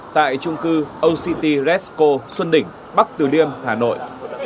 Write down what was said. tại trung cư oct resco xuân đỉnh bắc từ liêm hà nội